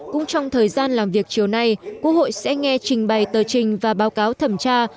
cũng trong thời gian làm việc chiều nay quốc hội sẽ nghe trình bày tờ trình và báo cáo thẩm tra